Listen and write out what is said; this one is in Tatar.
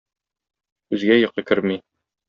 Күзгә йокы керми.